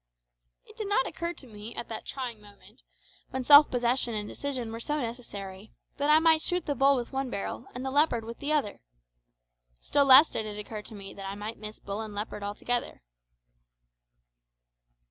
It did not occur to me at that trying moment, when self possession and decision were so necessary, that I might shoot the bull with one barrel, and the leopard with the other. Still less did it occur to me that I might miss bull and leopard altogether.